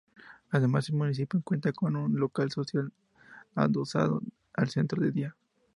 Además, el municipio cuenta con un local social adosado al Centro de Día.